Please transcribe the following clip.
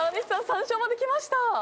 ３笑まできました。